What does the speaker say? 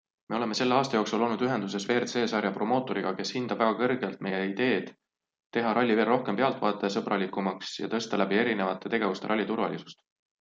Me oleme selle aasta jooksul olnud ühenduses WRC sarja promootoriga, kes hindab väga kõrgelt meie ideed, teha ralli veel rohkem pealtvaatajasõbralikumaks ja tõsta läbi erinevate tegevuste ralli turvalisust.